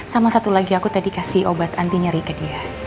sama satu lagi aku tadi kasih obat anti nyeri ke dia